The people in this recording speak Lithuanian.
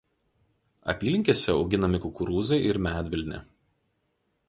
Apylinkėse auginami kukurūzai ir medvilnė.